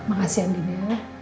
makasih andi ya